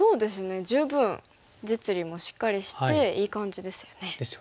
十分実利もしっかりしていい感じですよね。ですよね。